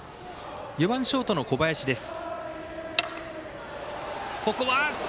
４番ショートの小林です。